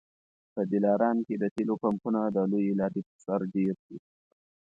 په دلارام کي د تېلو پمپونه د لويې لارې پر سر ډېر دي